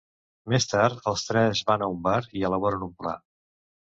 Més tard, els tres van a un bar i elaboren un pla.